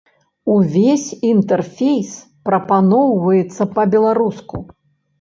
Увесь інтэрфейс прапаноўваецца па-беларуску.